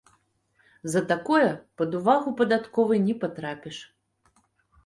За такое пад увагу падатковай не патрапіш.